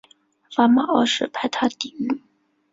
拉玛二世派他抵御。